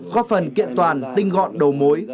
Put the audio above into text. góp phần kiện toàn tinh gọn đầu mối